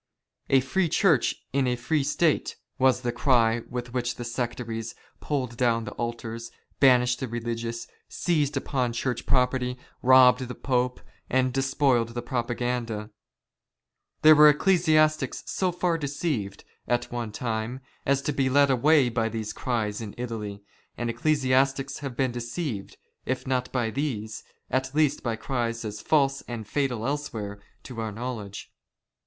" A free Church in a free State," was the cry with which the sectaries pulled down the altars, banished the religious, seized upon Church property, robbed the Pope, and despoiled the Propaganda. There were ecclesiastics so far deceived, at one time, as to be led away by these cries in Italy, and ecclesiastics have been deceived, if not by these, at least by cries as false and fatal elsewhere to our knowledge.